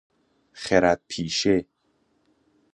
خرد پیشه